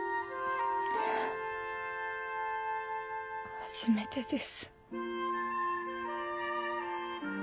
初めてです。